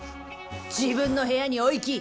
自分の部屋にお行き！